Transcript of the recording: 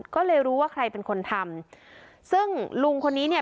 ก็เลยรู้ว่าใครเป็นคนทำซึ่งลุงคนนี้เนี่ย